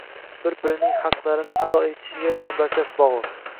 Bir-birining haqlarini ado etishiga chambarchas bog‘liq.